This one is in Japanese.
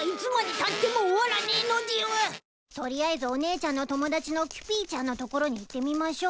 取りあえずおねいちゃんの友達のキュピーちゃんの所に行ってみましょう。